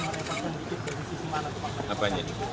mas dulu kenapa